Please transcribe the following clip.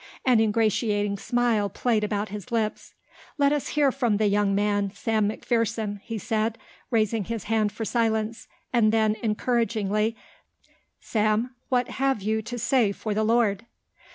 An ingratiating smile played about his lips. "Let us hear from the young man, Sam McPherson," he said, raising his hand for silence, and, then, encouragingly, "Sam, what have you to say for the Lord?"